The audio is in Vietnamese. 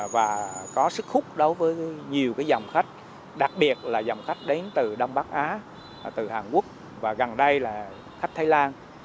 và có sức hút đối với nhiều dòng khách đặc biệt là dòng khách đến từ đông bắc á từ hàn quốc và gần đây là khách thái lan